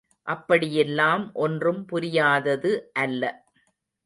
அப்படியெல்லாம் ஒன்றும் புரியாதது அல்ல.